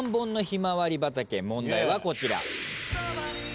問題はこちら。